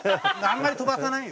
あんまり飛ばさない。